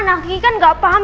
nah kiki kan gak paham